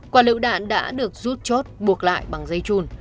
quả lựu đạn đã được rút chốt buộc lại bằng dây chun